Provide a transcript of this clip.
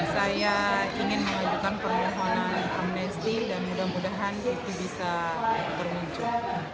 saya ingin menunjukkan permohonan amnesti dan mudah mudahan itu bisa bermuncul